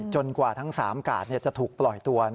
กว่าทั้ง๓กาดจะถูกปล่อยตัว